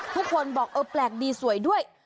ทุกคนบอกเออแปลกดีสวยด้วย